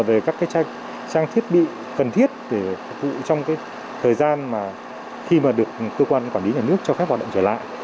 về các trang thiết bị cần thiết để phục vụ trong thời gian mà khi mà được cơ quan quản lý nhà nước cho phép hoạt động trở lại